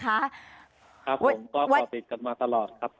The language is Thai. ครับผมก็ปลอดภัยกลับมาตลอดครับ